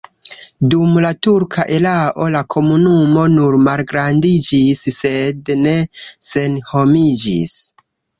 Dum la turka erao la komunumo nur malgrandiĝis, sed ne senhomiĝis.